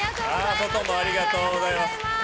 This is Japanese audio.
外もありがとうございます。